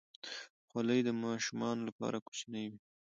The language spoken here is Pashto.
خولۍ د ماشومانو لپاره کوچنۍ وي.